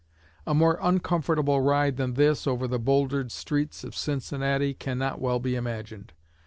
A more uncomfortable ride than this, over the bouldered streets of Cincinnati, cannot well be imagined.